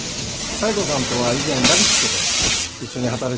妙子さんとは以前ラビットで一緒に働いてたんです。